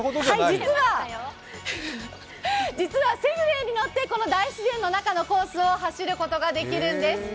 実は、セグウェイに乗ってこの大自然の中のコースを走ることができるんです。